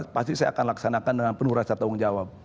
pasti saya akan laksanakan dengan penuh rasa tanggung jawab